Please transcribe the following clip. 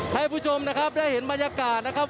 ให้ผู้ชมนะครับได้เห็นบรรยากาศนะครับ